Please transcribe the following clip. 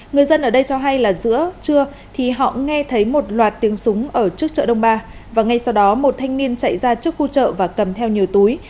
người dân ở đây cho hay là giữa trưa thì họ nghe thấy một loạt tiếng súng ở trước chợ đông ba và ngay sau đó một thanh niên chạy ra trước khu chợ và cầm theo nhiều túi